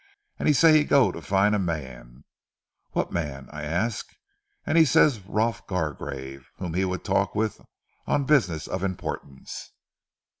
And he say he go to find a mans. What mans? I ask, and he say Rolf Gargrave, whom he would talk with on business of importance.